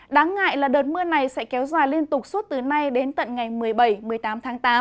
đáng ngại là đợt mưa này sẽ kéo dài liên tục suốt từ nay đến tận ngày một mươi bảy một mươi tám tháng tám